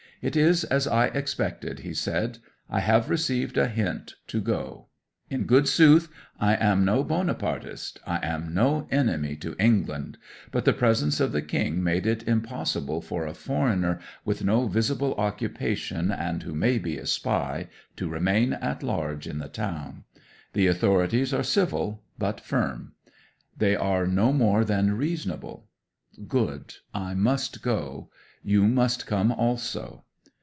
"It is as I expected," he said. "I have received a hint to go. In good sooth, I am no Bonapartist I am no enemy to England; but the presence of the King made it impossible for a foreigner with no visible occupation, and who may be a spy, to remain at large in the town. The authorities are civil, but firm. They are no more than reasonable. Good. I must go. You must come also."